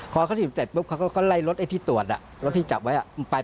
พอเขาถีบเสร็จปุ๊บเขาก็ไล่รถไอ้ที่ตรวจรถที่จับไว้